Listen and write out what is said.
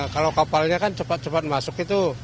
kalau kapalnya kan cepat cepat masuk itu